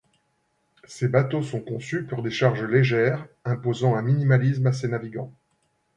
Ces bateaux sont conçus pour des charges légères, imposant un minimalisme à ses navigants.